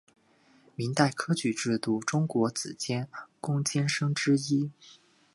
明代科举制度中国子监贡监生之一。